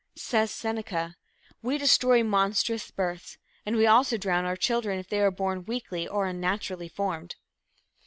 Says Seneca: "We destroy monstrous births, and we also drown our children if they are born weakly or unnaturally formed."